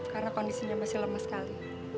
karena kondisinya masih lemah sekali